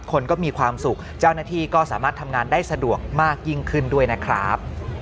คนก็มีความสุขเจ้าหน้าที่ก็สามารถทำงานได้สะดวกมากยิ่งขึ้นด้วยนะครับ